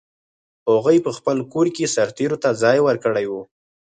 هغوی په خپل کور کې سرتېرو ته ځای ورکړی و.